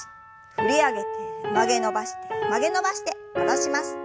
振り上げて曲げ伸ばして曲げ伸ばして戻します。